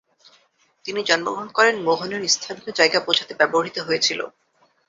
তিনি জন্মগ্রহণ করেন মোহনের স্থানীয় জায়গা বোঝাতে ব্যবহৃত হয়েছিল।